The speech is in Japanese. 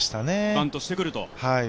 バントしてくると。